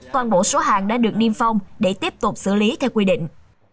toàn bộ số hàng đã được niêm phong để tiếp tục xử lý theo quy định